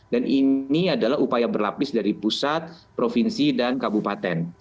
dan ini adalah upaya berlapis dari pusat provinsi dan kabupaten